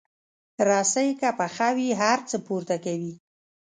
رسۍ که پخه وي، هر څه پورته کوي.